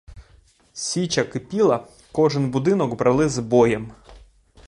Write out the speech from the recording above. Січа кипіла, кожен будинок брали з боєм.